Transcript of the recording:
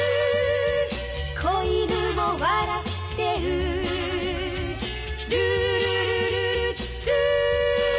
「小犬も笑ってる」「ルールルルルルー」